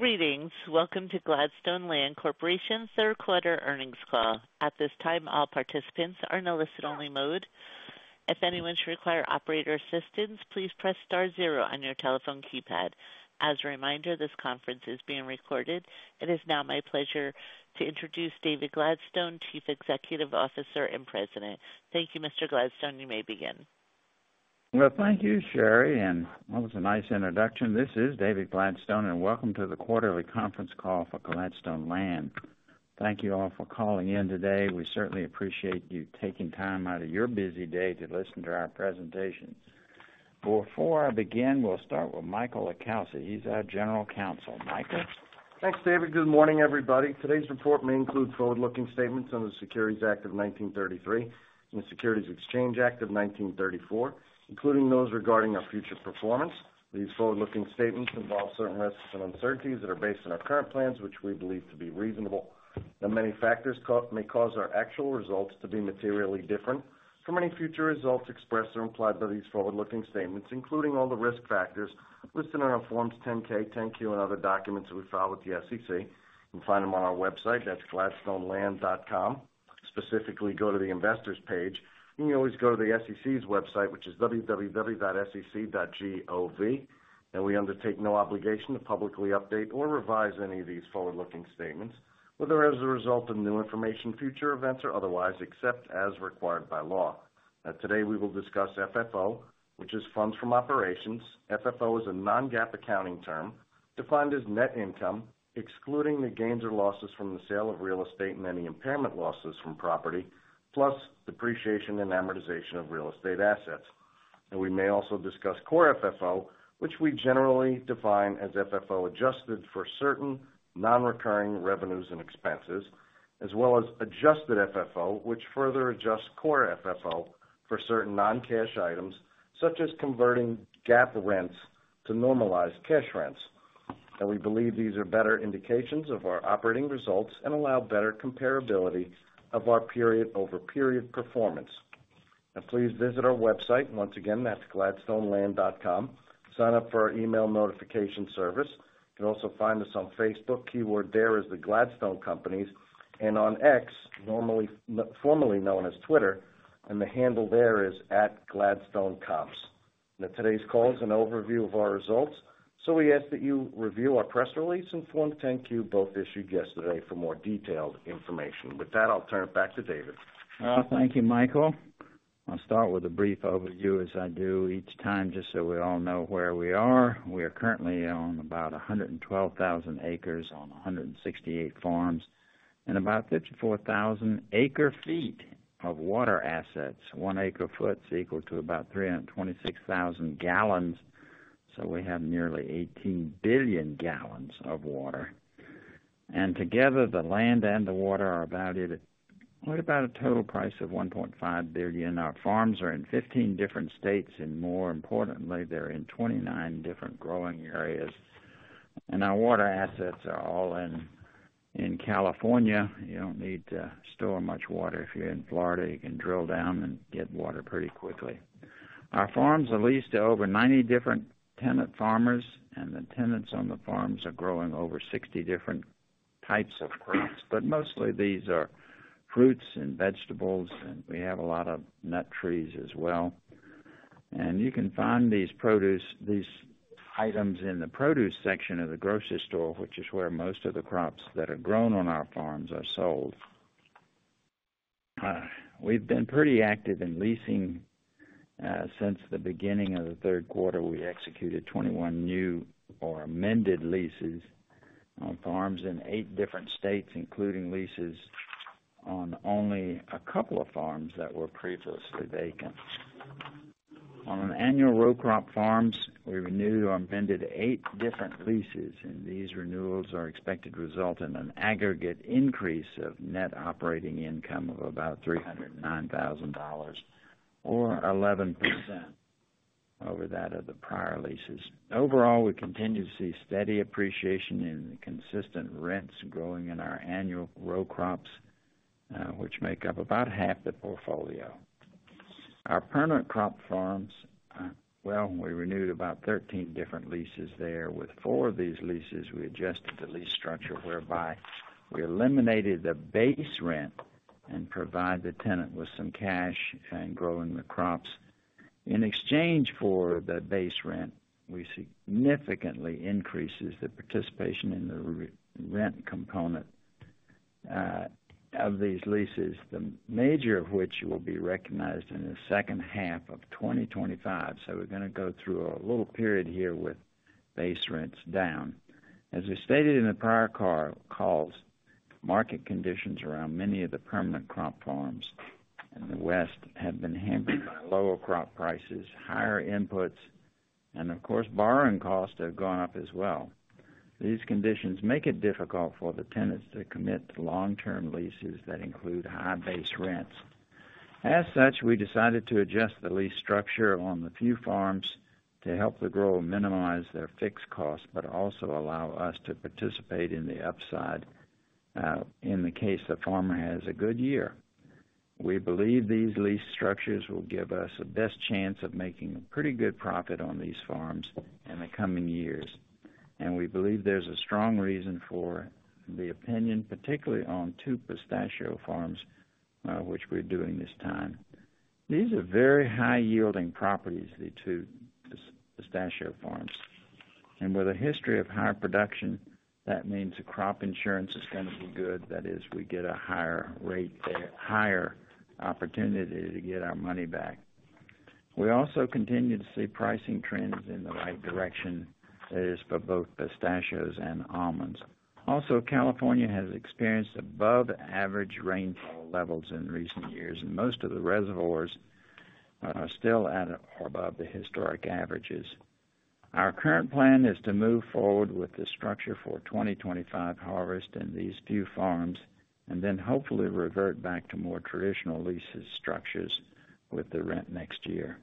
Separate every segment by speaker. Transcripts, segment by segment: Speaker 1: Greetings. Welcome to Gladstone Land Corporation's third-quarter earnings call. At this time, all participants are in a listen-only mode. If anyone should require operator assistance, please press star zero on your telephone keypad. As a reminder, this conference is being recorded. It is now my pleasure to introduce David Gladstone, Chief Executive Officer and President. Thank you, Mr. Gladstone. You may begin.
Speaker 2: Thank you, Sherry. That was a nice introduction. This is David Gladstone, and welcome to the quarterly conference call for Gladstone Land. Thank you all for calling in today. We certainly appreciate you taking time out of your busy day to listen to our presentation. Before I begin, we'll start with Michael LiCalsi. He's our general counsel. Michael?
Speaker 3: Thanks, David. Good morning, everybody. Today's report may include forward-looking statements on the Securities Act of 1933 and the Securities Exchange Act of 1934, including those regarding our future performance. These forward-looking statements involve certain risks and uncertainties that are based on our current plans, which we believe to be reasonable. Now, many factors may cause our actual results to be materially different from any future results expressed or implied by these forward-looking statements, including all the risk factors listed in our Forms 10-K, 10-Q, and other documents that we file with the SEC. You can find them on our website. That's GladstoneLand.com. Specifically, go to the Investors' Page. You can always go to the SEC's website, which is www.SEC.gov. We undertake no obligation to publicly update or revise any of these forward-looking statements, whether as a result of new information, future events, or otherwise, except as required by law. Now, today we will discuss FFO, which is funds from operations. FFO is a non-GAAP accounting term defined as net income, excluding the gains or losses from the sale of real estate and any impairment losses from property, plus depreciation and amortization of real estate assets. And we may also discuss core FFO, which we generally define as FFO adjusted for certain non-recurring revenues and expenses, as well as adjusted FFO, which further adjusts core FFO for certain non-cash items, such as converting GAAP rents to normalized cash rents. And we believe these are better indications of our operating results and allow better comparability of our period-over-period performance. Now, please visit our website. Once again, that's GladstoneLand.com. Sign up for our email notification service. You can also find us on Facebook. Keyword there is the Gladstone Companies, and on X, formerly known as Twitter, and the handle there is @GladstoneCo. Now, today's call is an overview of our results, so we ask that you review our press release and Form 10-Q, both issued yesterday, for more detailed information. With that, I'll turn it back to David.
Speaker 2: Thank you, Michael. I'll start with a brief overview, as I do each time, just so we all know where we are. We are currently on about 112,000 acres on 168 farms and about 54,000 acre-feet of water assets. One acre-foot is equal to about 326,000 gallons, so we have nearly 18 billion gallons of water. And together, the land and the water are valued at right about a total price of $1.5 billion. Our farms are in 15 different states, and more importantly, they're in 29 different growing areas. And our water assets are all in California. You don't need to store much water. If you're in Florida, you can drill down and get water pretty quickly. Our farms are leased to over 90 different tenant farmers, and the tenants on the farms are growing over 60 different types of crops, but mostly these are fruits and vegetables, and we have a lot of nut trees as well, and you can find these items in the produce section of the grocery store, which is where most of the crops that are grown on our farms are sold. We've been pretty active in leasing since the beginning of the third quarter. We executed 21 new or amended leases on farms in eight different states, including leases on only a couple of farms that were previously vacant. On annual row crop farms, we renewed or amended eight different leases, and these renewals are expected to result in an aggregate increase of net operating income of about $309,000, or 11% over that of the prior leases. Overall, we continue to see steady appreciation in the consistent rents growing in our annual row crops, which make up about half the portfolio. Our permanent crop farms, well, we renewed about 13 different leases there. With four of these leases, we adjusted the lease structure whereby we eliminated the base rent and provided the tenant with some cash and growing the crops. In exchange for the base rent, we significantly increased the participation in the rent component of these leases, the majority of which will be recognized in the second half of 2025. So we're going to go through a little period here with base rents down. As we stated in the prior calls, market conditions around many of the permanent crop farms in the West have been hampered by lower crop prices, higher inputs, and of course, borrowing costs have gone up as well. These conditions make it difficult for the tenants to commit to long-term leases that include high base rents. As such, we decided to adjust the lease structure on the few farms to help the grower minimize their fixed costs, but also allow us to participate in the upside in the case the farmer has a good year. We believe these lease structures will give us a best chance of making a pretty good profit on these farms in the coming years, and we believe there's a strong reason for the opinion, particularly on two pistachio farms, which we're doing this time. These are very high-yielding properties, the two pistachio farms, and with a history of high production, that means the crop insurance is going to be good. That is, we get a higher rate there, higher opportunity to get our money back. We also continue to see pricing trends in the right direction, that is, for both pistachios and almonds. Also, California has experienced above-average rainfall levels in recent years, and most of the reservoirs are still at or above the historic averages. Our current plan is to move forward with the structure for 2025 harvest in these few farms and then hopefully revert back to more traditional lease structures with the rent next year,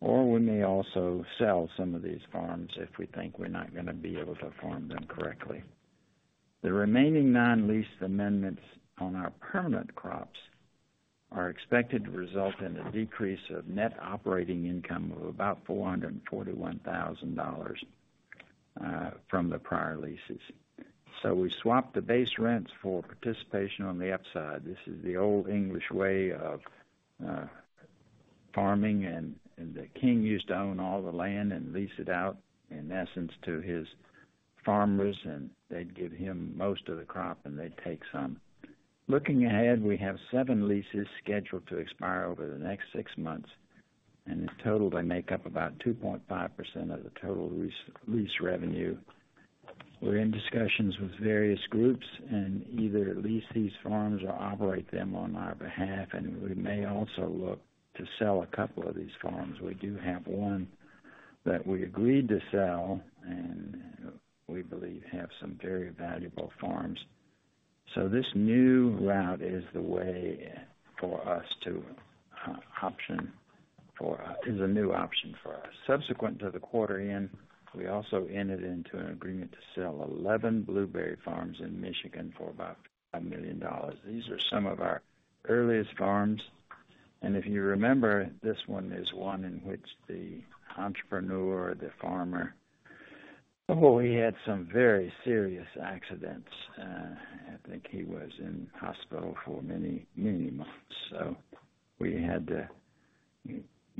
Speaker 2: or we may also sell some of these farms if we think we're not going to be able to farm them correctly. The remaining nine lease amendments on our permanent crops are expected to result in a decrease of net operating income of about $441,000 from the prior leases, so we swapped the base rents for participation on the upside. This is the old English way of farming, and the king used to own all the land and lease it out, in essence, to his farmers, and they'd give him most of the crop, and they'd take some. Looking ahead, we have seven leases scheduled to expire over the next six months, and in total, they make up about 2.5% of the total lease revenue. We're in discussions with various groups and either lease these farms or operate them on our behalf, and we may also look to sell a couple of these farms. We do have one that we agreed to sell, and we believe has some very valuable farms, so this new route is the way for us to option for is a new option for us. Subsequent to the quarter-end, we also entered into an agreement to sell 11 blueberry farms in Michigan for about $5 million. These are some of our earliest farms. And if you remember, this one is one in which the entrepreneur, the farmer, well, he had some very serious accidents. I think he was in the hospital for many, many months. So we had to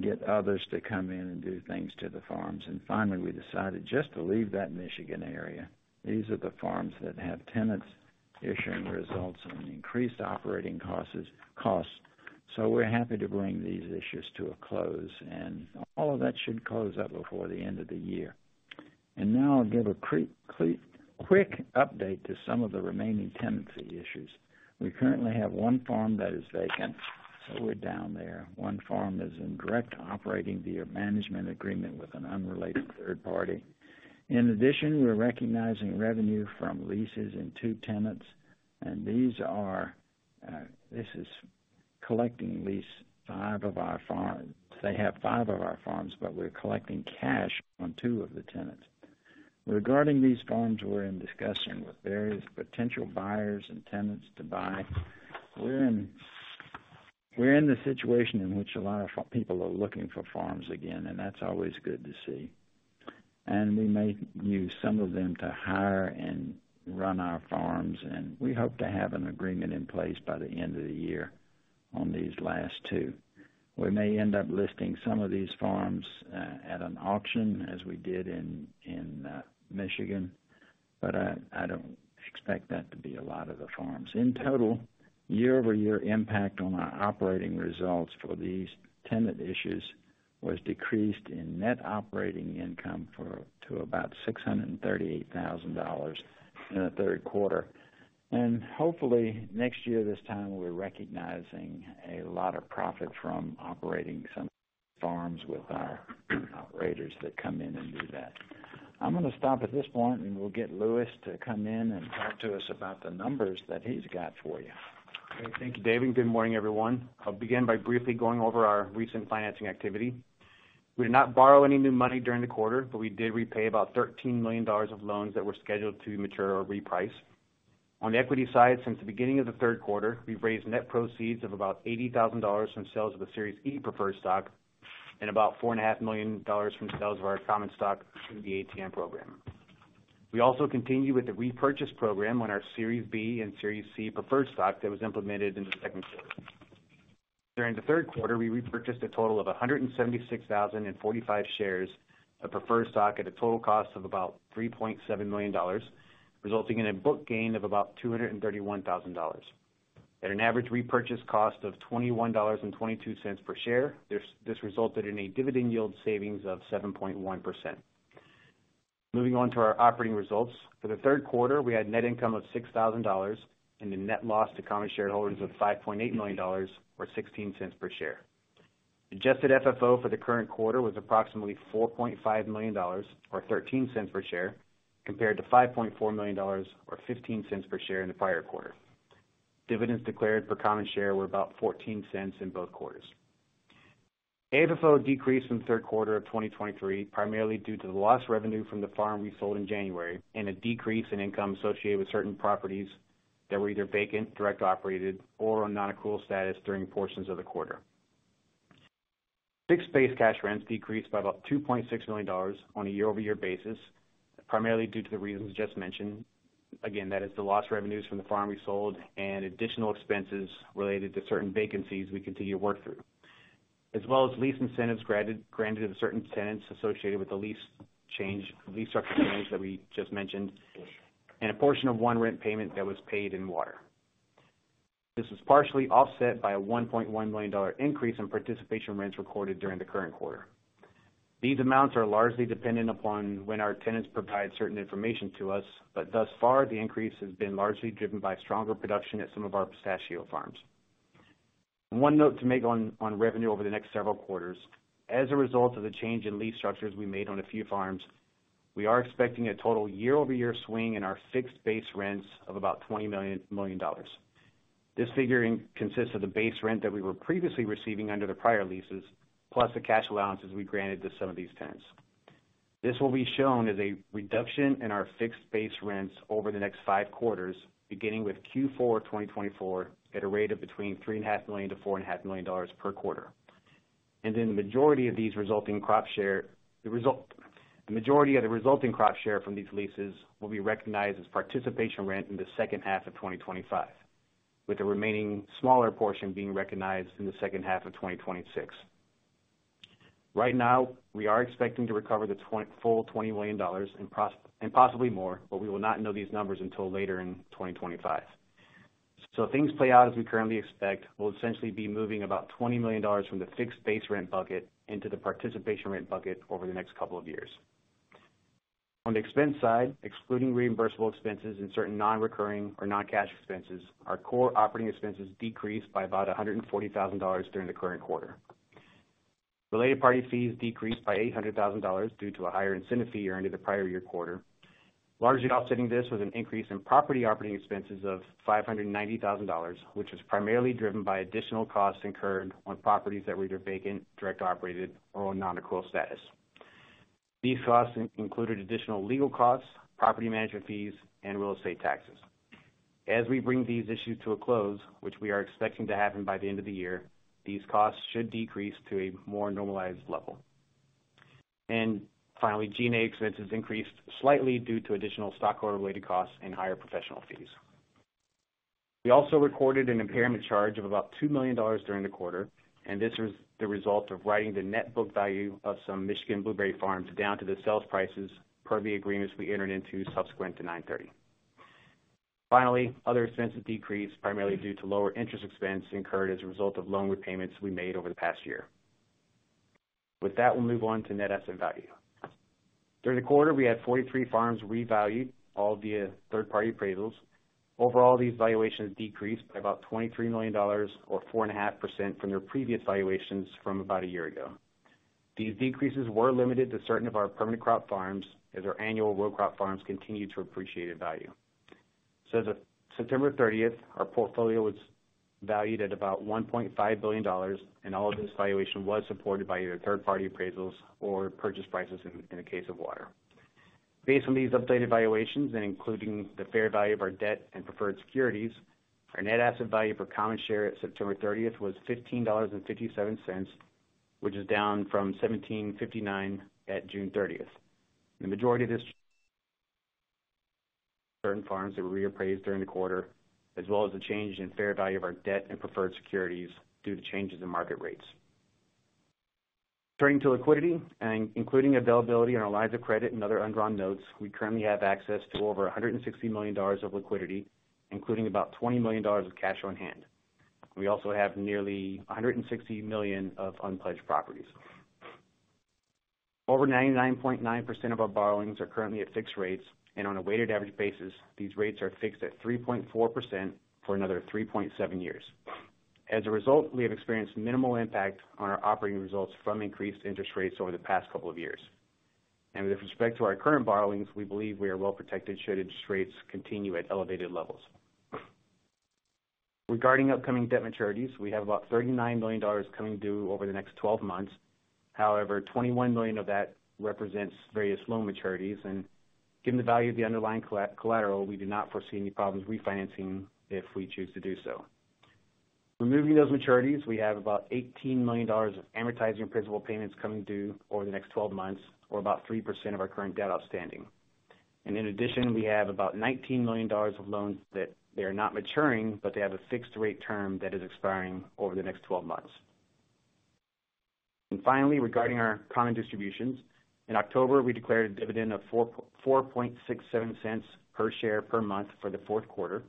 Speaker 2: get others to come in and do things to the farms. And finally, we decided just to leave that Michigan area. These are the farms that have tenants issuing results and increased operating costs. So we're happy to bring these issues to a close, and all of that should close up before the end of the year. And now I'll give a quick update to some of the remaining tenancy issues. We currently have one farm that is vacant, so we're down there. One farm is in direct operating via management agreement with an unrelated third party. In addition, we're recognizing revenue from leases with two tenants, and these tenants lease five of our farms. They have five of our farms, but we're collecting cash from two of the tenants. Regarding these farms, we're in discussion with various potential buyers and tenants to buy. We're in the situation in which a lot of people are looking for farms again, and that's always good to see, and we may use some of them to hire and run our farms, and we hope to have an agreement in place by the end of the year on these last two. We may end up listing some of these farms at an auction, as we did in Michigan, but I don't expect that to be a lot of the farms. In total, year-over-year impact on our operating results for these tenant issues was decreased in net operating income to about $638,000 in the third quarter. And hopefully, next year this time, we're recognizing a lot of profit from operating some farms with our operators that come in and do that. I'm going to stop at this point, and we'll get Lewis to come in and talk to us about the numbers that he's got for you.
Speaker 4: Okay. Thank you, David. Good morning, everyone. I'll begin by briefly going over our recent financing activity. We did not borrow any new money during the quarter, but we did repay about $13 million of loans that were scheduled to mature or reprice. On the equity side, since the beginning of the third quarter, we've raised net proceeds of about $80,000 from sales of the Series E preferred stock and about $4.5 million from sales of our common stock through the ATM program. We also continue with the repurchase program on our Series B and Series C preferred stock that was implemented in the second quarter. During the third quarter, we repurchased a total of 176,045 shares of preferred stock at a total cost of about $3.7 million, resulting in a book gain of about $231,000. At an average repurchase cost of $21.22 per share, this resulted in a dividend yield savings of 7.1%. Moving on to our operating results, for the third quarter, we had net income of $6,000 and a net loss to common shareholders of $5.8 million, or $0.16 per share. Adjusted FFO for the current quarter was approximately $4.5 million, or $0.13 per share, compared to $5.4 million, or $0.15 per share in the prior quarter. Dividends declared for common share were about $0.14 in both quarters. AFFO decreased in the third quarter of 2023, primarily due to the lost revenue from the farm we sold in January and a decrease in income associated with certain properties that were either vacant, direct operated, or on non-accrual status during portions of the quarter. Fixed base cash rents decreased by about $2.6 million on a year-over-year basis, primarily due to the reasons just mentioned. Again, that is the lost revenues from the farm we sold and additional expenses related to certain vacancies we continue to work through, as well as lease incentives granted to certain tenants associated with the lease change, lease structure change that we just mentioned, and a portion of one rent payment that was paid in water. This was partially offset by a $1.1 million increase in participation rents recorded during the current quarter. These amounts are largely dependent upon when our tenants provide certain information to us, but thus far, the increase has been largely driven by stronger production at some of our pistachio farms. One note to make on revenue over the next several quarters, as a result of the change in lease structures we made on a few farms, we are expecting a total year-over-year swing in our fixed base rents of about $20 million. This figure consists of the base rent that we were previously receiving under the prior leases, plus the cash allowances we granted to some of these tenants. This will be shown as a reduction in our fixed base rents over the next five quarters, beginning with Q4 2024 at a rate of between $3.5 million-$4.5 million per quarter. Then the majority of the resulting crop share from these leases will be recognized as participation rent in the second half of 2025, with the remaining smaller portion being recognized in the second half of 2026. Right now, we are expecting to recover the full $20 million and possibly more, but we will not know these numbers until later in 2025, so things play out as we currently expect. We'll essentially be moving about $20 million from the fixed base rent bucket into the participation rent bucket over the next couple of years. On the expense side, excluding reimbursable expenses and certain non-recurring or non-cash expenses, our core operating expenses decreased by about $140,000 during the current quarter. Related party fees decreased by $800,000 due to a higher incentive fee earned in the prior year quarter. Largely offsetting this was an increase in property operating expenses of $590,000, which was primarily driven by additional costs incurred on properties that were either vacant, direct operated, or on non-accrual status. These costs included additional legal costs, property management fees, and real estate taxes. As we bring these issues to a close, which we are expecting to happen by the end of the year, these costs should decrease to a more normalized level. Finally, G&A expenses increased slightly due to additional stockholder-related costs and higher professional fees. We also recorded an impairment charge of about $2 million during the quarter, and this was the result of writing the net book value of some Michigan blueberry farms down to the sales prices per the agreements we entered into subsequent to 9/30. Finally, other expenses decreased, primarily due to lower interest expense incurred as a result of loan repayments we made over the past year. With that, we'll move on to net asset value. During the quarter, we had 43 farms revalued, all via third-party appraisals. Overall, these valuations decreased by about $23 million, or 4.5% from their previous valuations from about a year ago. These decreases were limited to certain of our permanent crop farms as our annual row crop farms continued to appreciate in value, so September 30th, our portfolio was valued at about $1.5 billion, and all of this valuation was supported by either third-party appraisals or purchase prices in the case of water. Based on these updated valuations and including the fair value of our debt and preferred securities, our net asset value for common share at September 30th was $15.57, which is down from $17.59 at June 30th. The majority of this returned farms that were reappraised during the quarter, as well as the change in fair value of our debt and preferred securities due to changes in market rates. Turning to liquidity and including availability on our lines of credit and other undrawn notes, we currently have access to over $160 million of liquidity, including about $20 million of cash on hand. We also have nearly $160 million of unpledged properties. Over 99.9% of our borrowings are currently at fixed rates, and on a weighted average basis, these rates are fixed at 3.4% for another 3.7 years, and with respect to our current borrowings, we believe we are well protected should interest rates continue at elevated levels. Regarding upcoming debt maturities, we have about $39 million coming due over the next 12 months. However, $21 million of that represents various loan maturities, and given the value of the underlying collateral, we do not foresee any problems refinancing if we choose to do so. Removing those maturities, we have about $18 million of amortizing principal payments coming due over the next 12 months, or about 3% of our current debt outstanding. And in addition, we have about $19 million of loans that they are not maturing, but they have a fixed rate term that is expiring over the next 12 months. And finally, regarding our common distributions, in October, we declared a dividend of $4.67 per share per month for the fourth quarter.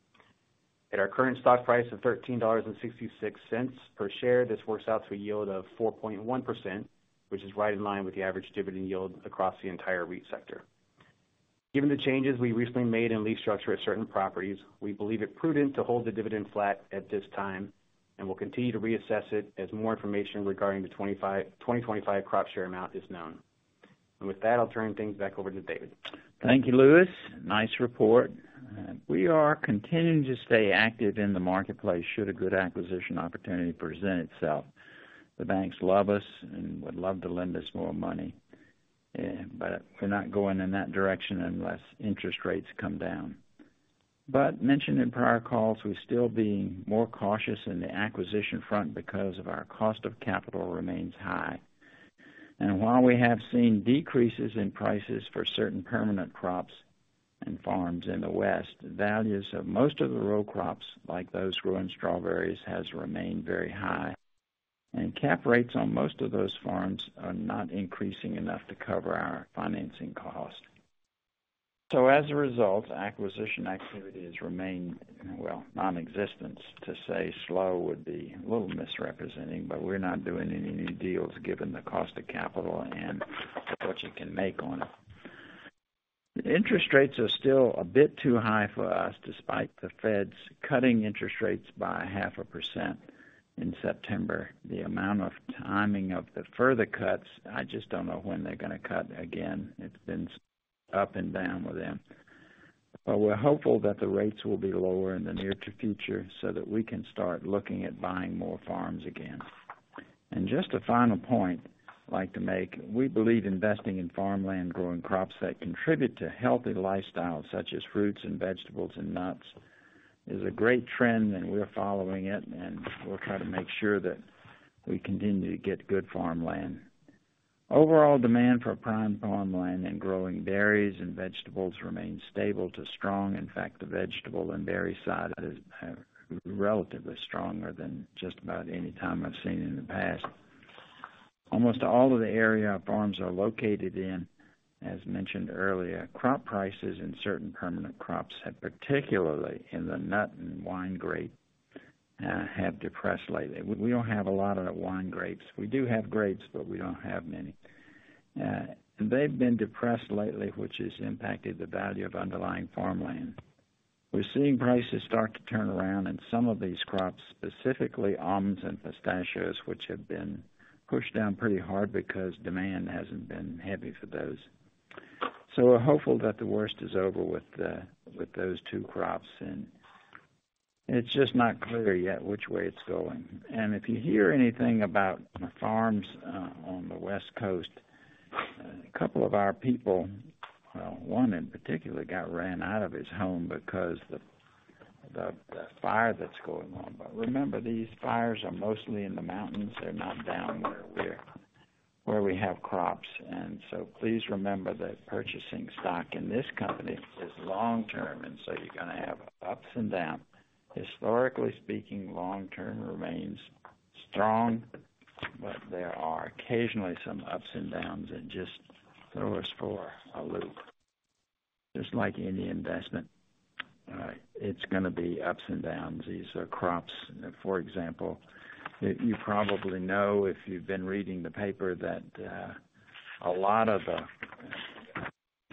Speaker 4: At our current stock price of $13.66 per share, this works out to a yield of 4.1%, which is right in line with the average dividend yield across the entire REIT sector. Given the changes we recently made in lease structure at certain properties, we believe it prudent to hold the dividend flat at this time and will continue to reassess it as more information regarding the 2025 crop share amount is known, and with that, I'll turn things back over to David.
Speaker 2: Thank you, Lewis. Nice report. We are continuing to stay active in the marketplace should a good acquisition opportunity present itself. The banks love us and would love to lend us more money, but we're not going in that direction unless interest rates come down. As mentioned in prior calls, we'll still be more cautious in the acquisition front because our cost of capital remains high. While we have seen decreases in prices for certain permanent crops and farms in the West, values of most of the row crops, like those growing strawberries, have remained very high, and cap rates on most of those farms are not increasing enough to cover our financing cost. As a result, acquisition activity has remained well nonexistent. To say slow would be a little misrepresenting, but we're not doing any new deals given the cost of capital and what you can make on it. Interest rates are still a bit too high for us despite the Feds cutting interest rates by 0.5% in September. The amount of timing of the further cuts, I just don't know when they're going to cut again. It's been up and down with them. But we're hopeful that the rates will be lower in the near future so that we can start looking at buying more farms again. And just a final point I'd like to make. We believe investing in farmland growing crops that contribute to healthy lifestyles, such as fruits and vegetables and nuts, is a great trend, and we're following it, and we'll try to make sure that we continue to get good farmland. Overall demand for prime farmland and growing berries and vegetables remains stable to strong. In fact, the vegetable and berry side is relatively stronger than just about any time I've seen in the past. Almost all of the area our farms are located in, as mentioned earlier. Crop prices in certain permanent crops, particularly in the nut and wine grape, have depressed lately. We don't have a lot of wine grapes. We do have grapes, but we don't have many. They've been depressed lately, which has impacted the value of underlying farmland. We're seeing prices start to turn around in some of these crops, specifically almonds and pistachios, which have been pushed down pretty hard because demand hasn't been heavy for those, so we're hopeful that the worst is over with those two crops, and it's just not clear yet which way it's going. And if you hear anything about the farms on the West Coast, a couple of our people, well, one in particular, got ran out of his home because of the fire that's going on. But remember, these fires are mostly in the mountains. They're not down where we have crops. And so please remember that purchasing stock in this company is long-term, and so you're going to have ups and downs. Historically speaking, long-term remains strong, but there are occasionally some ups and downs that just throw us for a loop. Just like any investment, it's going to be ups and downs. These are crops. For example, you probably know if you've been reading the paper that a lot of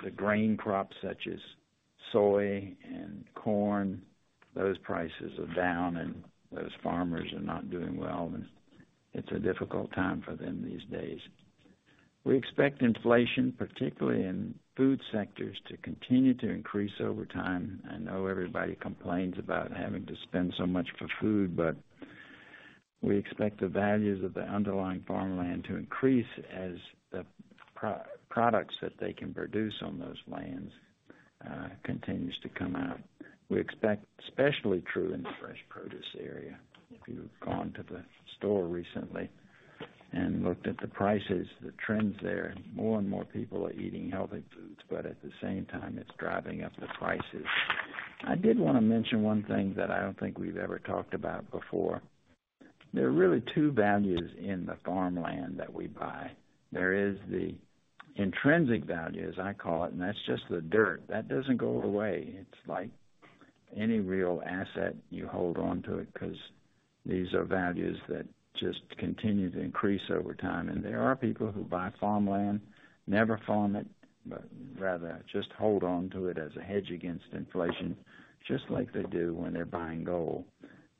Speaker 2: the grain crops, such as soy and corn, those prices are down, and those farmers are not doing well. And it's a difficult time for them these days. We expect inflation, particularly in food sectors, to continue to increase over time. I know everybody complains about having to spend so much for food, but we expect the values of the underlying farmland to increase as the products that they can produce on those lands continue to come out. We expect, especially true in the fresh produce area. If you've gone to the store recently and looked at the prices, the trends there, more and more people are eating healthy foods, but at the same time, it's driving up the prices. I did want to mention one thing that I don't think we've ever talked about before. There are really two values in the farmland that we buy. There is the intrinsic value, as I call it, and that's just the dirt. That doesn't go away. It's like any real asset. You hold on to it because these are values that just continue to increase over time. And there are people who buy farmland, never farm it, but rather just hold on to it as a hedge against inflation, just like they do when they're buying gold.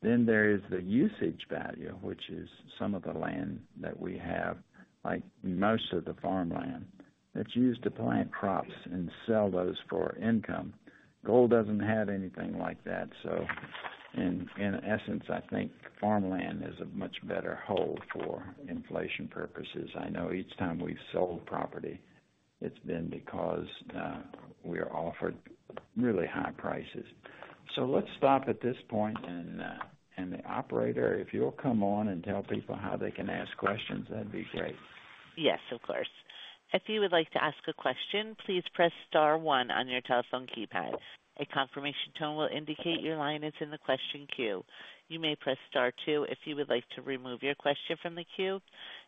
Speaker 2: Then there is the usage value, which is some of the land that we have, like most of the farmland, that's used to plant crops and sell those for income. Gold doesn't have anything like that. So in essence, I think farmland is a much better hold for inflation purposes. I know each time we've sold property, it's been because we are offered really high prices. So let's stop at this point. And the operator, if you'll come on and tell people how they can ask questions, that'd be great.
Speaker 1: Yes, of course. If you would like to ask a question, please press star one on your telephone keypad. A confirmation tone will indicate your line is in the question queue. You may press star one if you would like to remove your question from the queue.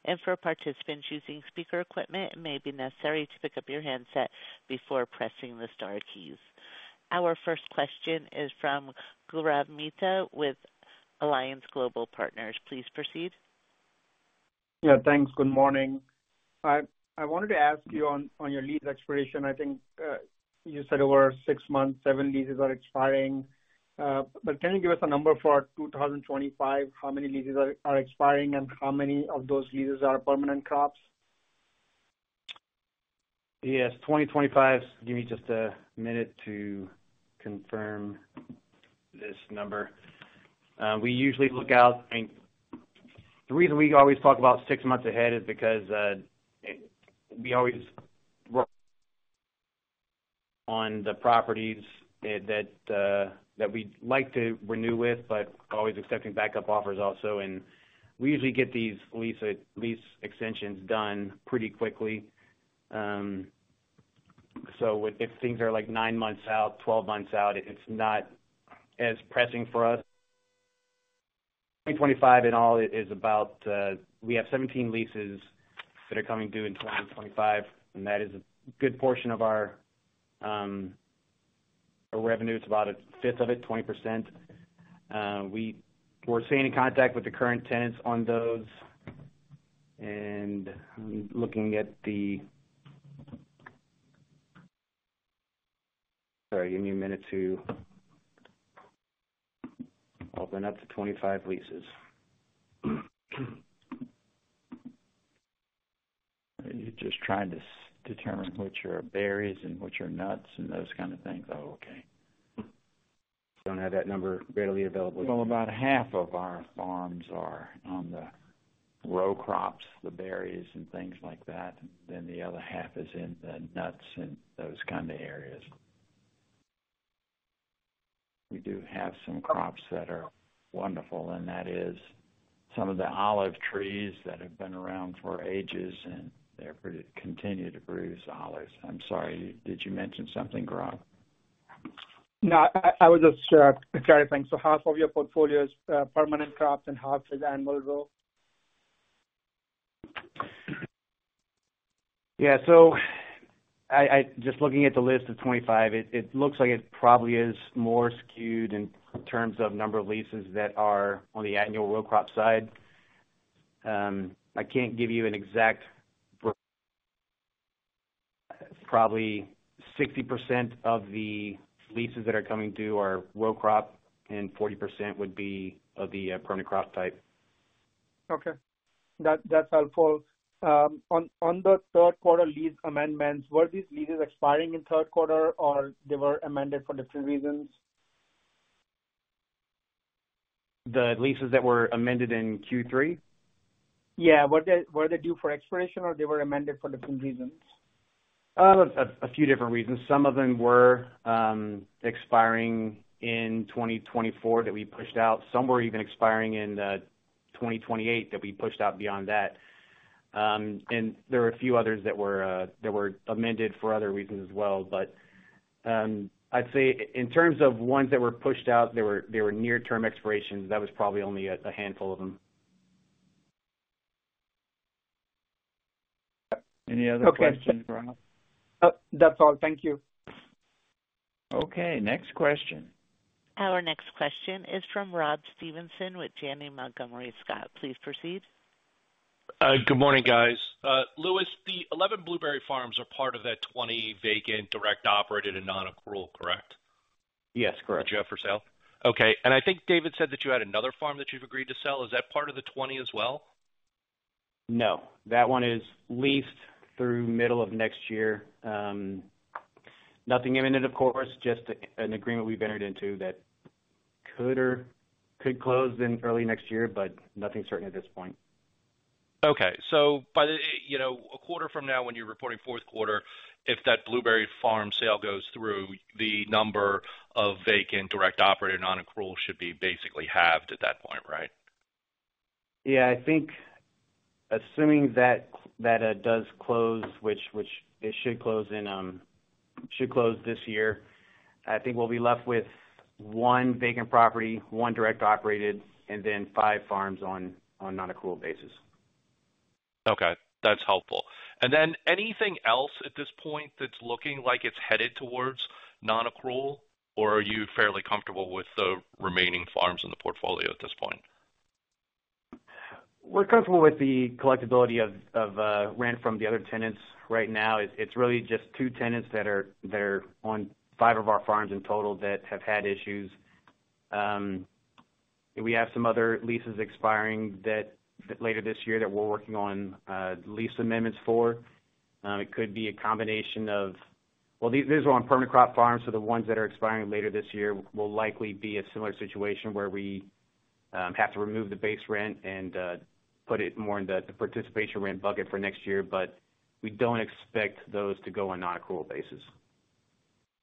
Speaker 1: And for participants using speaker equipment, it may be necessary to pick up your handset before pressing the star keys. Our first question is from Gaurav Mehta with Alliance Global Partners. Please proceed.
Speaker 5: Yeah, thanks. Good morning. I wanted to ask you on your lease expiration. I think you said over six months, seven leases are expiring. But can you give us a number for 2025? How many leases are expiring and how many of those leases are permanent crops?
Speaker 4: Yes, 2025. Give me just a minute to confirm this number. We usually look out. The reason we always talk about six months ahead is because we always work on the properties that we'd like to renew with, but always accepting backup offers also, and we usually get these lease extensions done pretty quickly, so if things are like nine months out, twelve months out, it's not as pressing for us. 2025 in all is about we have 17 leases that are coming due in 2025, and that is a good portion of our revenue. It's about a fifth of it, 20%. We're staying in contact with the current tenants on those. And I'm looking at the, sorry, give me a minute to open up the 2025 leases. You're just trying to determine which are berries and which are nuts and those kind of things. Oh, okay. Don't have that number readily available.
Speaker 2: Well, about half of our farms are on the row crops, the berries, and things like that. Then the other half is in the nuts and those kind of areas. We do have some crops that are wonderful, and that is some of the olive trees that have been around for ages, and they continue to produce olives. I'm sorry, did you mention something, Gaurav?
Speaker 5: No, I was just trying to think. So half of your portfolio is permanent crops and half is annual row?
Speaker 4: Yeah, so just looking at the list of 2025, it looks like it probably is more skewed in terms of number of leases that are on the annual row crop side. I can't give you an exact, probably 60% of the leases that are coming due are row crop, and 40% would be of the permanent crop type.
Speaker 5: Okay. That's helpful. On the third-quarter lease amendments, were these leases expiring in third quarter, or they were amended for different reasons?
Speaker 4: The leases that were amended in Q3?
Speaker 5: Yeah. Were they due for expiration, or they were amended for different reasons?
Speaker 4: A few different reasons. Some of them were expiring in 2024 that we pushed out. Some were even expiring in 2028 that we pushed out beyond that. And there were a few others that were amended for other reasons as well. But I'd say in terms of ones that were pushed out, they were near-term expirations. That was probably only a handful of them.
Speaker 2: Any other questions, Gaurav?
Speaker 5: That's all. Thank you.
Speaker 2: Okay. Next question.
Speaker 1: Our next question is from Rob Stevenson with Janney Montgomery Scott. Please proceed.
Speaker 6: Good morning, guys. Lewis, the 11 blueberry farms are part of that 20 vacant direct operated and non-accrual, correct?
Speaker 4: Yes, correct.
Speaker 6: You do have for sale? Okay, and I think David said that you had another farm that you've agreed to sell. Is that part of the 20 as well?
Speaker 4: No. That one is leased through middle of next year. Nothing imminent, of course, just an agreement we've entered into that could close in early next year, but nothing certain at this point.
Speaker 6: Okay. So by a quarter from now, when you're reporting fourth quarter, if that blueberry farm sale goes through, the number of vacant direct operated and non-accrual should be basically halved at that point, right?
Speaker 4: Yeah. I think assuming that does close, which it should close in this year, I think we'll be left with one vacant property, one direct operated, and then five farms on non-accrual basis.
Speaker 6: Okay. That's helpful, and then anything else at this point that's looking like it's headed towards non-accrual, or are you fairly comfortable with the remaining farms in the portfolio at this point?
Speaker 4: We're comfortable with the collectibility of rent from the other tenants. Right now, it's really just two tenants that are on five of our farms in total that have had issues. We have some other leases expiring later this year that we're working on lease amendments for. It could be a combination of, well, these are on permanent crop farms, so the ones that are expiring later this year will likely be a similar situation where we have to remove the base rent and put it more in the participation rent bucket for next year. But we don't expect those to go on non-accrual basis.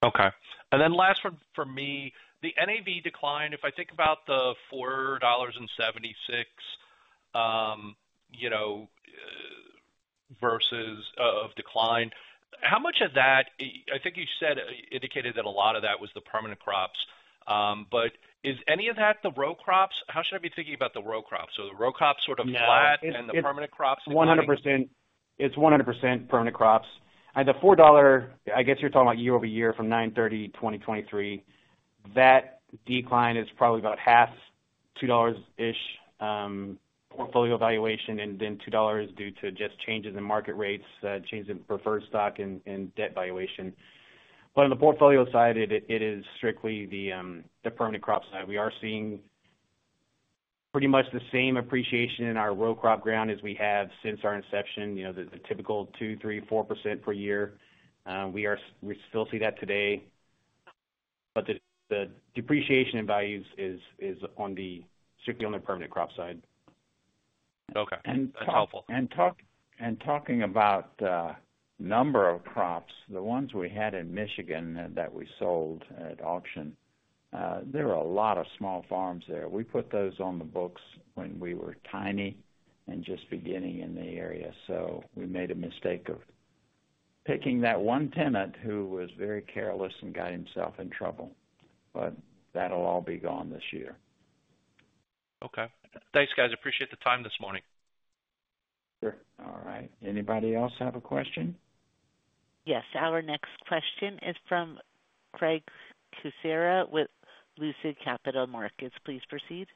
Speaker 6: Okay. And then last one for me, the NAV decline. If I think about the $4.76 versus the decline, how much of that, I think you indicated that a lot of that was the permanent crops. But is any of that the row crops? How should I be thinking about the row crops? So the row crops sort of flat and the permanent crops?
Speaker 4: Yeah. It's 100%. It's 100% permanent crops. And the $4, I guess you're talking about year-over-year from 9/30/2023, that decline is probably about half, $2-ish portfolio valuation, and then $2 due to just changes in market rates, changes in preferred stock and debt valuation. But on the portfolio side, it is strictly the permanent crop side. We are seeing pretty much the same appreciation in our row crop ground as we have since our inception, the typical 2%, 3%, 4% per year. We still see that today. But the depreciation in values is strictly on the permanent crop side.
Speaker 6: Okay. That's helpful.
Speaker 2: And talking about the number of crops, the ones we had in Michigan that we sold at auction, there are a lot of small farms there. We put those on the books when we were tiny and just beginning in the area. So we made a mistake of picking that one tenant who was very careless and got himself in trouble. But that'll all be gone this year.
Speaker 6: Okay. Thanks, guys. Appreciate the time this morning.
Speaker 2: Sure. All right. Anybody else have a question?
Speaker 1: Yes. Our next question is from Craig Kucera with Lucid Capital Markets. Please proceed.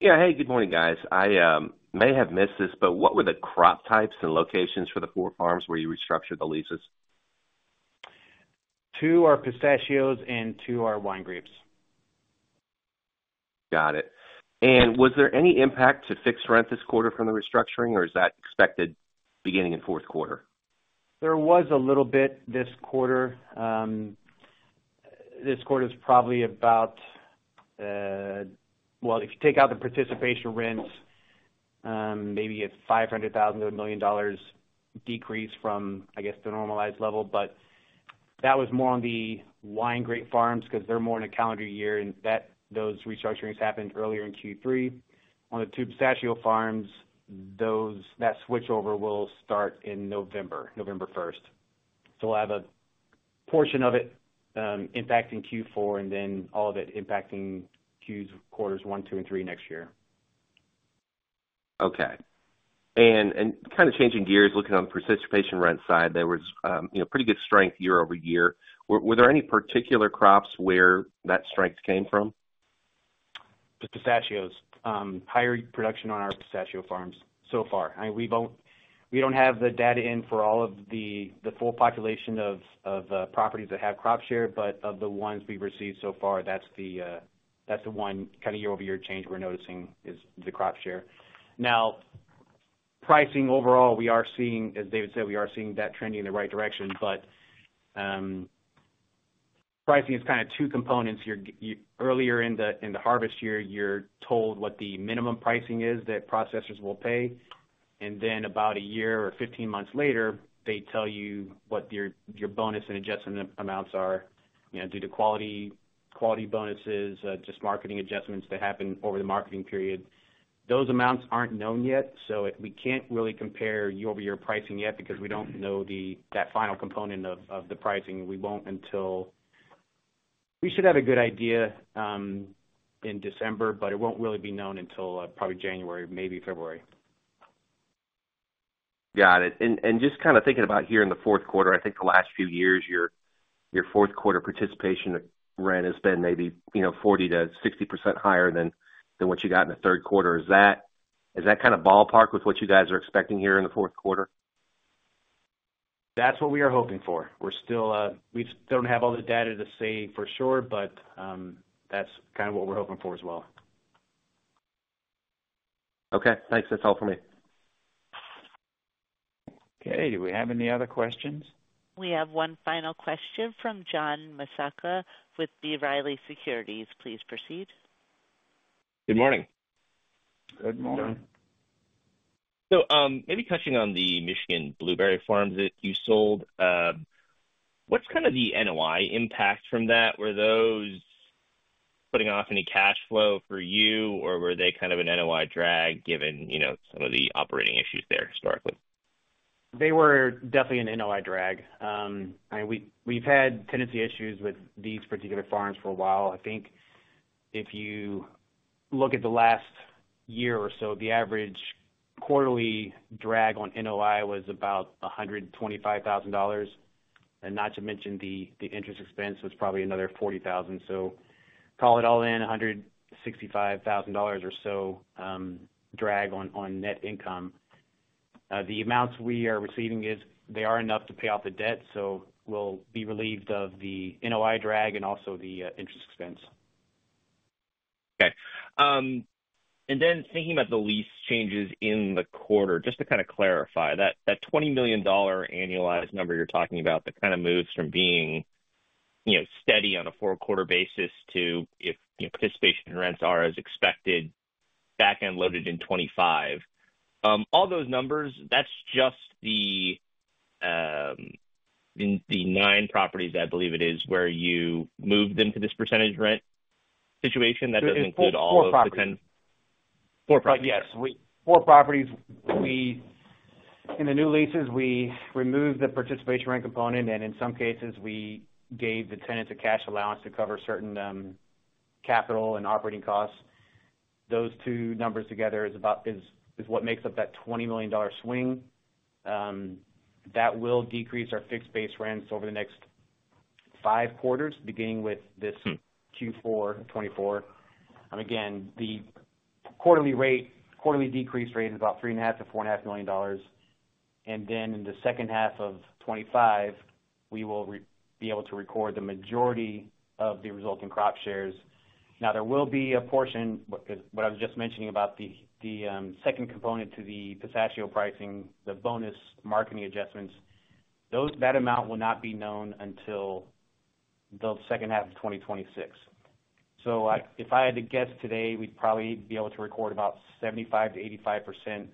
Speaker 7: Yeah. Hey, good morning, guys. I may have missed this, but what were the crop types and locations for the four farms where you restructured the leases?
Speaker 4: Two are pistachios and two are wine grapes.
Speaker 7: Got it. And was there any impact to fixed rent this quarter from the restructuring, or is that expected beginning in fourth quarter?
Speaker 4: There was a little bit this quarter. This quarter is probably about, well, if you take out the participation rent, maybe a $500,000-$1 million decrease from, I guess, the normalized level. But that was more on the wine grape farms because they're more in a calendar year, and those restructurings happened earlier in Q3. On the two pistachio farms, that switchover will start in November, November 1st. So we'll have a portion of it impacting Q4 and then all of it impacting Q1, Q2, and Q3 next year.
Speaker 7: Okay. And kind of changing gears, looking on the participation rent side, there was pretty good strength year-over-year. Were there any particular crops where that strength came from?
Speaker 4: The pistachios. Higher production on our pistachio farms so far. We don't have the data in for all of the full population of properties that have crop share, but of the ones we've received so far, that's the one kind of year-over-year change we're noticing is the crop share. Now, pricing overall, we are seeing, as David said, we are seeing that trending in the right direction. But pricing is kind of two components. Earlier in the harvest year, you're told what the minimum pricing is that processors will pay. And then about a year or 15 months later, they tell you what your bonus and adjustment amounts are due to quality bonuses, just marketing adjustments that happen over the marketing period. Those amounts aren't known yet, so we can't really compare year-over-year pricing yet because we don't know that final component of the pricing. We should have a good idea in December, but it won't really be known until probably January, maybe February.
Speaker 7: Got it. And just kind of thinking about here in the fourth quarter, I think the last few years, your fourth quarter participation rent has been maybe 40%-60% higher than what you got in the third quarter. Is that kind of ballpark with what you guys are expecting here in the fourth quarter?
Speaker 4: That's what we are hoping for. We still don't have all the data to say for sure, but that's kind of what we're hoping for as well.
Speaker 7: Okay. Thanks. That's all for me.
Speaker 4: Okay. Do we have any other questions?
Speaker 1: We have one final question from John Massocca with B. Riley Securities. Please proceed.
Speaker 8: Good morning.
Speaker 2: Good morning.
Speaker 8: So maybe touching on the Michigan blueberry farms that you sold, what's kind of the NOI impact from that? Were those putting off any cash flow for you, or were they kind of an NOI drag given some of the operating issues there historically?
Speaker 4: They were definitely an NOI drag. We've had tenancy issues with these particular farms for a while. I think if you look at the last year or so, the average quarterly drag on NOI was about $125,000, and not to mention the interest expense was probably another $40,000, so call it all in, $165,000 or so drag on net income. The amounts we are receiving is they are enough to pay off the debt, so we'll be relieved of the NOI drag and also the interest expense.
Speaker 8: Okay. And then thinking about the lease changes in the quarter, just to kind of clarify, that $20 million annualized number you're talking about that kind of moves from being steady on a four-quarter basis to, if participation rents are as expected, back end loaded in 2025, all those numbers, that's just the nine properties, I believe it is, where you moved them to this percentage rent situation? That doesn't include all of the tenants?
Speaker 4: Four properties.
Speaker 8: Four properties.
Speaker 4: Yes. Four properties. In the new leases, we removed the participation rent component, and in some cases, we gave the tenants a cash allowance to cover certain capital and operating costs. Those two numbers together is what makes up that $20 million swing. That will decrease our fixed base rents over the next five quarters, beginning with this Q4 2024. Again, the quarterly decrease rate is about $3.5 million-$4.5 million. And then in the second half of 2025, we will be able to record the majority of the resulting crop shares. Now, there will be a portion, what I was just mentioning about the second component to the pistachio pricing, the bonus marketing adjustments, that amount will not be known until the second half of 2026. So if I had to guess today, we'd probably be able to record about 75%-85%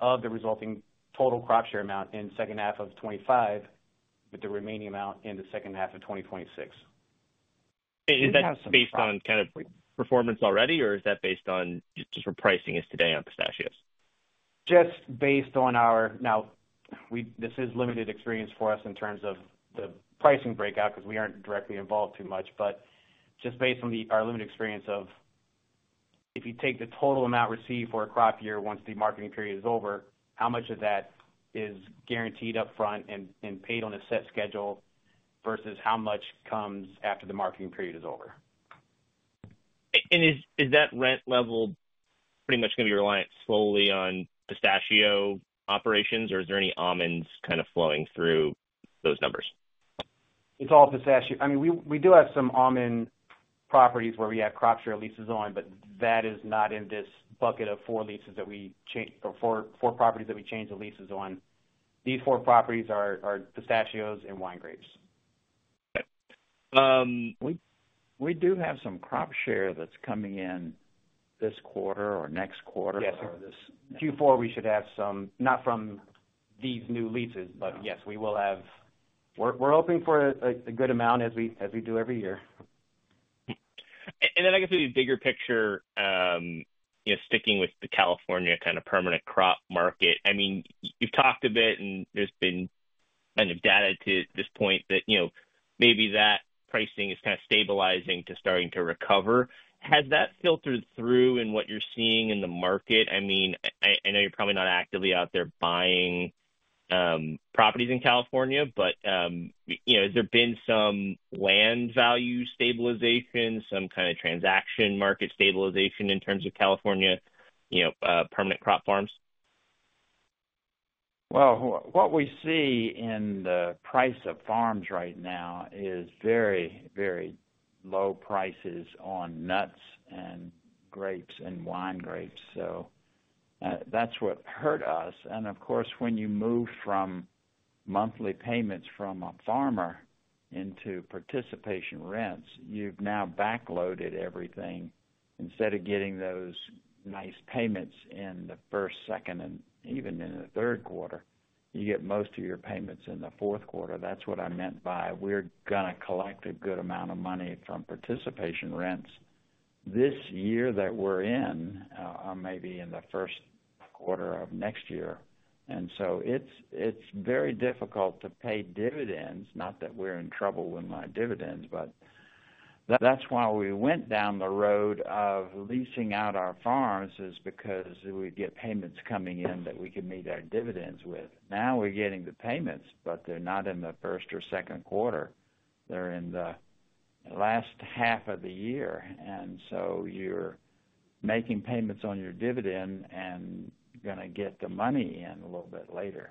Speaker 4: of the resulting total crop share amount in the second half of 2025, with the remaining amount in the second half of 2026.
Speaker 8: Is that based on kind of performance already, or is that based on just what pricing is today on pistachios?
Speaker 4: Just based on our, now, this is limited experience for us in terms of the pricing breakout because we aren't directly involved too much. But just based on our limited experience of if you take the total amount received for a crop year once the marketing period is over, how much of that is guaranteed upfront and paid on a set schedule versus how much comes after the marketing period is over?
Speaker 8: And is that rent level pretty much going to be reliant solely on pistachio operations, or is there any almonds kind of flowing through those numbers?
Speaker 4: It's all pistachio. I mean, we do have some almond properties where we have crop share leases on, but that is not in this bucket of four leases that we—or four properties that we change the leases on. These four properties are pistachios and wine grapes.
Speaker 2: We do have some crop share that's coming in this quarter or next quarter.
Speaker 4: Yes. Q4, we should have some, not from these new leases, but yes, we will have, we're hoping for a good amount as we do every year.
Speaker 8: And then, I guess, in the bigger picture, sticking with the California kind of permanent crop market, I mean, you've talked a bit, and there's been kind of data to this point that maybe that pricing is kind of stabilizing to starting to recover. Has that filtered through in what you're seeing in the market? I mean, I know you're probably not actively out there buying properties in California, but has there been some land value stabilization, some kind of transaction market stabilization in terms of California permanent crop farms?
Speaker 2: What we see in the price of farms right now is very, very low prices on nuts and grapes and wine grapes. So that's what hurt us. And of course, when you move from monthly payments from a farmer into participation rents, you've now backloaded everything. Instead of getting those nice payments in the first, second, and even in the third quarter, you get most of your payments in the fourth quarter. That's what I meant by we're going to collect a good amount of money from participation rents this year that we're in, maybe in the first quarter of next year. And so it's very difficult to pay dividends, not that we're in trouble with my dividends, but that's why we went down the road of leasing out our farms is because we get payments coming in that we can meet our dividends with. Now we're getting the payments, but they're not in the first or second quarter. They're in the last half of the year, and so you're making payments on your dividend and going to get the money in a little bit later.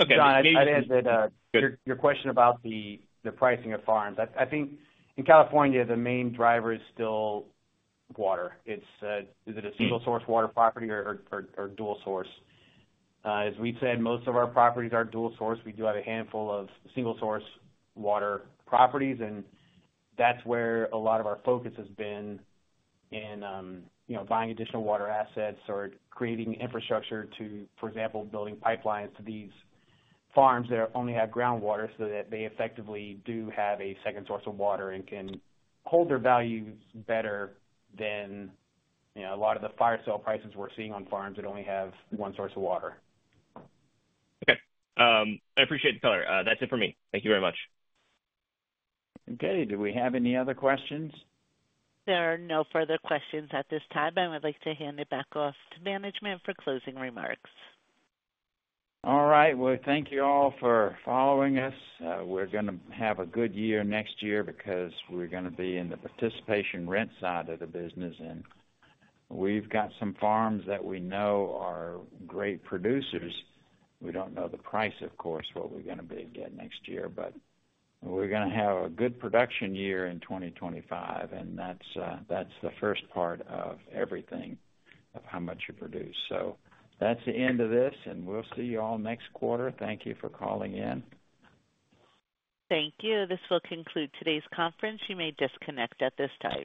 Speaker 8: Okay.
Speaker 4: John, I'd add that your question about the pricing of farms. I think in California, the main driver is still water. Is it a single-source water property or dual-source? As we said, most of our properties are dual-source. We do have a handful of single-source water properties, and that's where a lot of our focus has been in buying additional water assets or creating infrastructure to, for example, building pipelines to these farms that only have groundwater so that they effectively do have a second source of water and can hold their value better than a lot of the fire sale prices we're seeing on farms that only have one source of water.
Speaker 8: Okay. I appreciate the color. That's it for me. Thank you very much.
Speaker 2: Okay. Do we have any other questions?
Speaker 1: There are no further questions at this time. I would like to hand it back off to management for closing remarks.
Speaker 2: All right. Well, thank you all for following us. We're going to have a good year next year because we're going to be in the participation rent side of the business. And we've got some farms that we know are great producers. We don't know the price, of course, what we're going to be getting next year, but we're going to have a good production year in 2025, and that's the first part of everything of how much you produce. So that's the end of this, and we'll see you all next quarter. Thank you for calling in.
Speaker 1: Thank you. This will conclude today's conference. You may disconnect at this time.